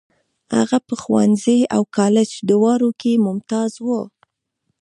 هغه په ښوونځي او کالج دواړو کې ممتاز و.